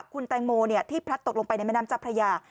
คุณแตงโมที่พลัดตกลงไปในแม่น้ำเจ้าพระยา